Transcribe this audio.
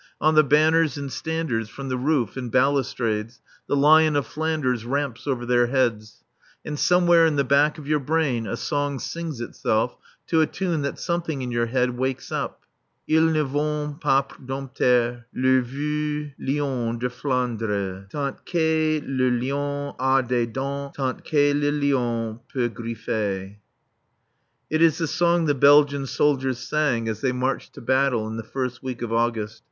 On the banners and standards from the roof and balustrades the Lion of Flanders ramps over their heads. And somewhere in the back of your brain a song sings itself to a tune that something in your brain wakes up: Ils ne vont pas dompter Le vieux lion de Flandres, Tant que le lion a des dents, Tant que le lion peut griffer. It is the song the Belgian soldiers sang as they marched to battle in the first week of August.